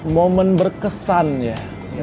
momen berkesan ya